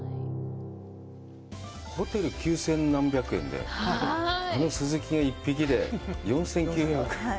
ホテル九千何百円であのスズキが１匹で４９００円。